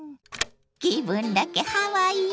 気分だけハワイよ。